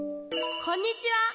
こんにちは。